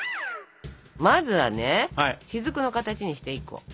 まずはねしずくの形にして１個。